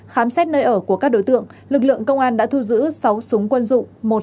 khám xét nơi ở của các đối tượng lực lượng công an đã thu giữ sáu súng quân dụng